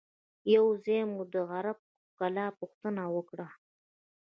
یو ځای مو د عرب کلا پوښتنه وکړه.